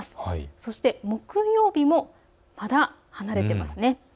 そして木曜日もまだ離れていますね。